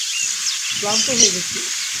ক্লান্ত হয়ে গেছি।